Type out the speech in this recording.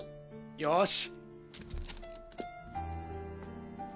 よし！